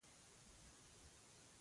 چا سره دده پر سر شخړه هم و نه کړي.